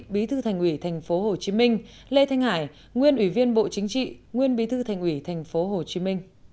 bí thư thành ủy tp hcm lê thanh hải nguyên ủy viên bộ chính trị nguyên bí thư thành ủy tp hcm